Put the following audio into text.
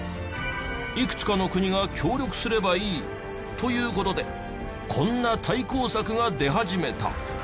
いくつかの国が協力すればいいという事でこんな対抗策が出始めた。